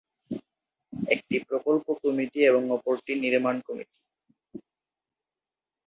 একটি প্রকল্প কমিটি এবং অপরটি নির্মাণ কমিটি।